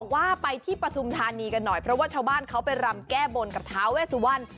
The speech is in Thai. ว่าไปที่ปฐุมธานีกันหน่อยเพราะว่าชาวบ้านเขาไปรำแก้บนกับท้าเวสุวรรณ